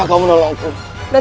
saat u smooth akan